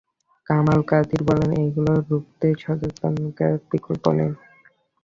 কামাল কাদির বলেন, এগুলো রুখতে সচেতনতার বিকল্প নেই।